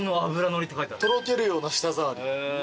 「とろけるような舌触り」